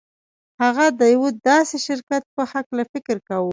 هغه د یوه داسې شرکت په هکله فکر کاوه